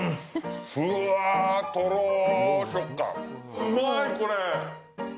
うまい、これ。